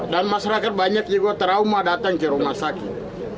dan masyarakat banyak juga trauma datang ke rumah sakit